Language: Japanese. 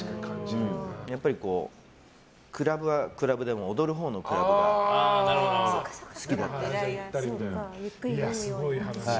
やっぱり、クラブはクラブでも踊るほうのクラブがすごい話。